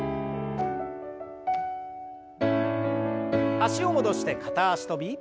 脚を戻して片脚跳び。